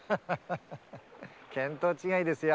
見当違いですよ。